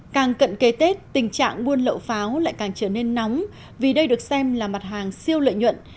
càng cận kề tết tình trạng buôn lậu pháo lại càng trở nên nóng vì đây được xem là mặt hàng siêu lợi nhuận